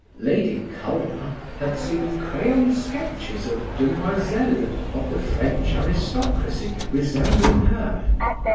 Lady Culmer had seen crayon sketches of demoiselles of the French aristocracy resembling her.